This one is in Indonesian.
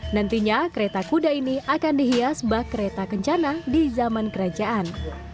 nantinya kereta kuda ini akan dihias bak kereta kencana di zaman kerajaan